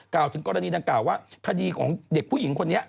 ถึงกรณีดังกล่าวว่าคดีของเด็กผู้หญิงคนนี้